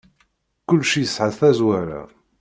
Kullec yesɛa tazwara.